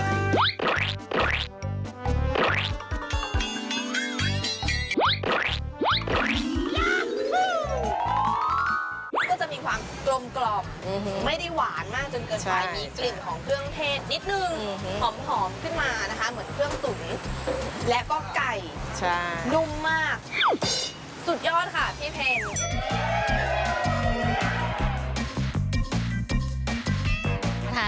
ก็จะมีความกลมกรอบไม่ได้หวานมากจนเกินไป